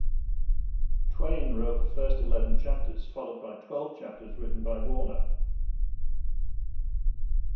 Twain wrote the first eleven chapters, followed by twelve chapters written by Warner.